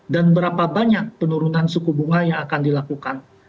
dan berapa banyak penurunan suku bunga yang akan dilakukan